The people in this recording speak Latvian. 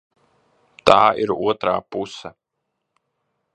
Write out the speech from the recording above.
Tā ir otrā puse.